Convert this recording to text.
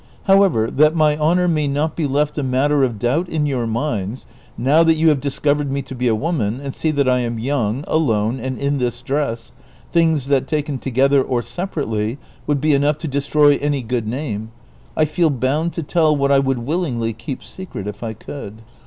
However, that my honor may not be left a mattter of doubt in your minds, now that you have dis covered me to be a woman, and see that I am young, alone, and in this dress, things that taken together or separately would be enough to destroy any good name, I feel bound to tell what I would willingly keep secret if I could."